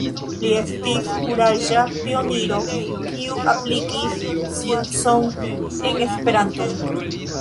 Li estis kuraĝa pioniro kiu aplikis sciencon en Esperanto.